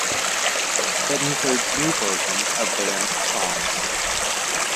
It includes new versions of band's songs.